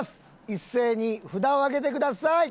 一斉に札を上げてください。